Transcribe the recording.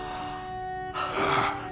ああ。